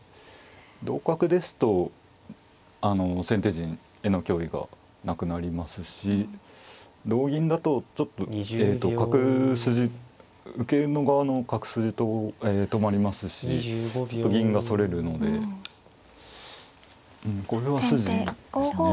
同角ですと先手陣への脅威がなくなりますし同銀だとちょっと角筋受けの側の角筋止まりますしちょっと銀がそれるのでうんこれは筋ですね。